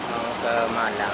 mau ke malang